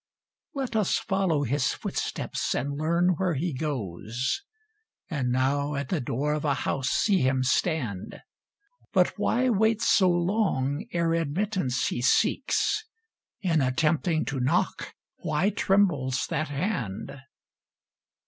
Let us follow his footsteps and learn where he goes; And now at the door of a house see him stand; But why wait so long ere admittance he seeks, In attempting to knock, why trembles that hand?